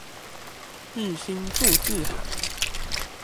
日星鑄字行